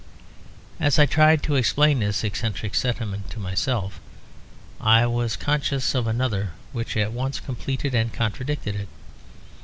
As I tried to explain this eccentric sentiment to myself, I was conscious of another which at once completed and contradicted it.